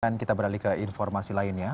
dan kita beralih ke informasi lainnya